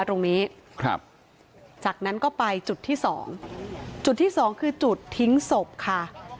ตรงนี้ครับจากนั้นก็ไปจุดที่สองจุดที่สองคือจุดทิ้งศพค่ะ